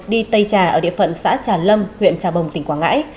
đi tây trà ở địa phận xã trà lâm huyện trà bồng tỉnh quảng ngãi